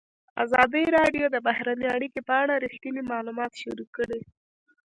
ازادي راډیو د بهرنۍ اړیکې په اړه رښتیني معلومات شریک کړي.